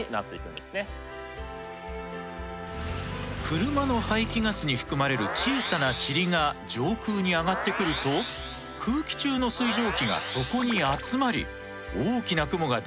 車の排気ガスに含まれる小さなちりが上空に上がってくると空気中の水蒸気がそこに集まり大きな雲ができやすくなるんだ。